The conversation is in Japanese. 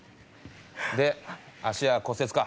で足は骨折か？